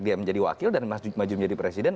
dia menjadi wakil dan maju menjadi presiden